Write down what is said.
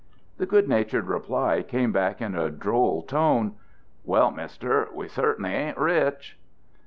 The good natured reply came back in a droll tone: "Well, Mister, we certainly aren't rich."